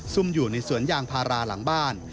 ุ่มอยู่ในสวนยางพาราหลังบ้าน